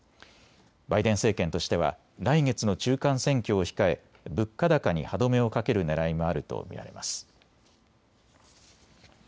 バイデン政権としては来月の中間選挙を控え物価高に歯止めをかけるねらいもあると見られます。